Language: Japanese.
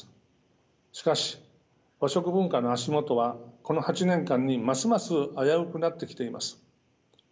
しかし和食文化の足元はこの８年間にますます危うくなってきています。